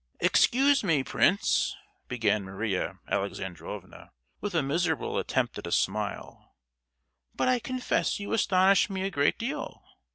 "Excuse me, prince," began Maria Alexandrovna, with a miserable attempt at a smile, "but I confess you astonish me a great deal!